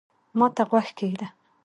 ما ته غوږ کېږده